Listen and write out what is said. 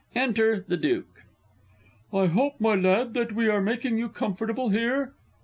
_ Enter the Duke. I hope, my lad, that we are making you comfortable here?